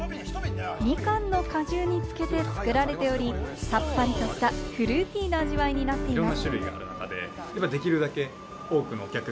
みかんの果汁につけて作られており、さっぱりとしたフルーティーな味わいになっています。